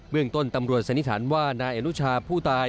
เรื่องต้นตำรวจสันนิษฐานว่านายอนุชาผู้ตาย